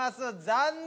残念。